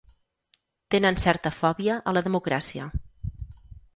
Tenen certa fòbia a la democràcia.